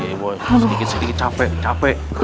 eh boy sedikit sedikit capek capek